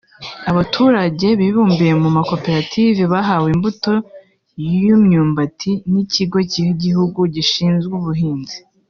Abaturage bibumbiye mu makoperative bahawe imbuto y’imyumbati n’Ikigo cy’igihugu gishinzwe ubuhinzi